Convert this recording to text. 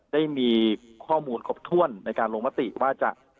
ได้มีข้อมูลครบถ้วนในการลงมติว่าจะ